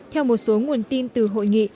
theo một số nguồn tin từ hội nghị